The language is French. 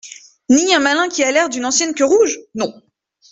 Ni un malin qui a l'air d'une ancienne queue-rouge ? Non.